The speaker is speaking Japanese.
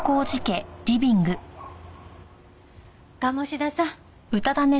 鴨志田さん。